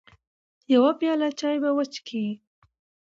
يوه پياله چاى به وچکې .